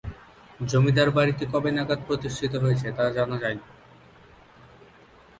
জমিদার বাড়িটি কবে নাগাদ প্রতিষ্ঠিত হয়েছে তা জানা যায়নি।